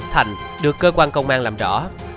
thành được cơ quan công an làm rõ